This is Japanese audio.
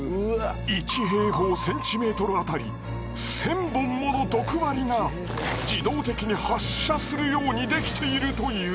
１あたり１０００本もの毒針が自動的に発射するようにできているという。